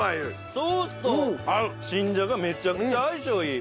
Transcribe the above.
ソースと新じゃがめちゃくちゃ相性いい。